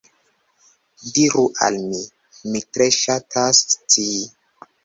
Diru al mi, mi tre ŝatas scii.